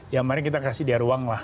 ya mari kita kasih dia ruang lah